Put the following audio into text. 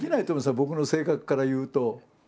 僕の性格からいうと。